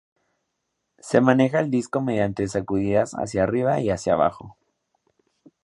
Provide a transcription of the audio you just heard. Se maneja el disco mediante sacudidas hacia arriba y hacia abajo.